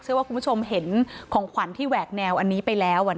ว่าคุณผู้ชมเห็นของขวัญที่แหวกแนวอันนี้ไปแล้ว